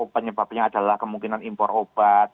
penyebabnya adalah kemungkinan impor obat